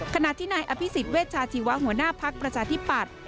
ขณะที่นายอภิษฎเวชาชีวะหัวหน้าภักดิ์ประชาธิปัตย์